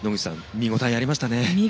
見応えありましたね。